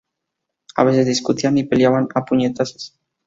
A veces discutían y peleaban a puñetazos.